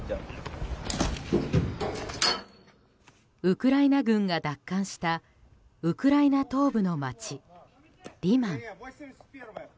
ウクライナ軍が奪還したウクライナ東部の街、リマン。